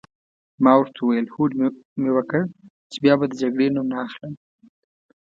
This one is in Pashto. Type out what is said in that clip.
ما ورته وویل: هوډ مي وکړ چي بیا به د جګړې نوم نه اخلم.